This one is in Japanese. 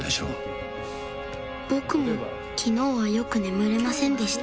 僕も昨日はよく眠れませんでした